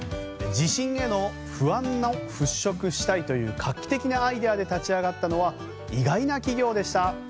地震への不安を払拭したいという画期的なアイデアで立ち上がったのは意外な企業でした。